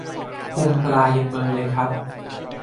พุงปลายังเบลอเลยครับ